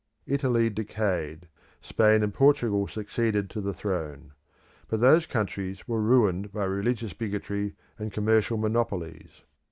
Italy decayed; Spain and Portugal succeeded to the throne. But those countries were ruined by religious bigotry and commercial monopolies.